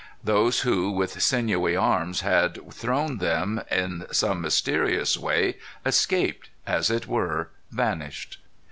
Those who, with sinewy arms, had thrown them, in some mysterious way escaped as it were, vanished.